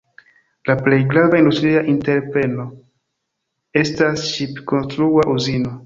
La plej grava industria entrepreno estas ŝip-konstrua uzino.